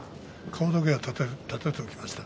顔だけは立てておきました。